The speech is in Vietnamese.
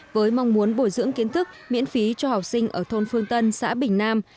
với mong muốn bồi dưỡng kiến thức miễn phí cho học sinh ở thôn phương tân xã bình nam